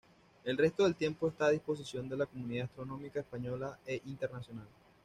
El resto del tiempo está a disposición de la comunidad astronómica española e internacional.